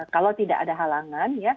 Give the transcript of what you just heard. kalau tidak ada halangan